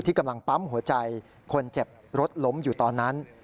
กำลังปั๊มหัวใจคนเจ็บรถล้มอยู่ตอนนั้น